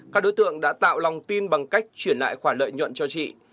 các đối tượng đã tạo lòng tin bằng cách chuyển lại khoản lợi nhuận cho chị